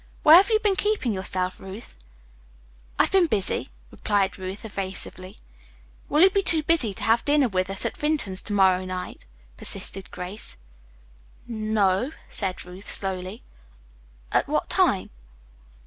Where have you been keeping yourself, Ruth?" "I've been busy," replied Ruth evasively. "Will you be too busy to have dinner with us at Vinton's to morrow night?" persisted Grace. "No o o," said Ruth slowly. "At what time?"